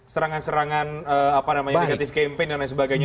serangan serangan negatif campaign dan lain sebagainya